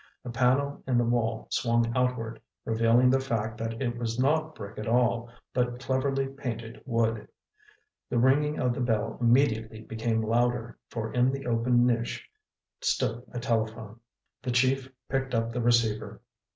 A panel in the wall swung outward, revealing the fact that it was not brick at all, but cleverly painted wood. The ringing of the bell immediately became louder, for in the open niche stood a telephone. The chief picked up the receiver.